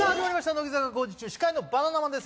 乃木坂工事中司会のバナナマンです